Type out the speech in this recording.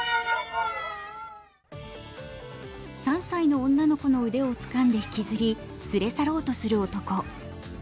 ３歳の女の子の腕をつかんでひきずり、連れ去ろうとする男。